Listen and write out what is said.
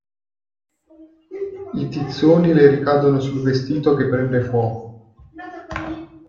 I tizzoni le ricadono sul vestito che prende fuoco.